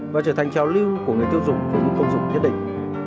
và trở thành trào lưu của người tiêu dùng và người công dụng nhất định